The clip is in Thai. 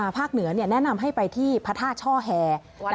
ภาคเหนือเนี่ยแนะนำให้ไปที่พระธาตุช่อแฮ